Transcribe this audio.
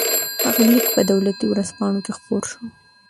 هغه لیک په دولتي ورځپاڼو کې خپور شو.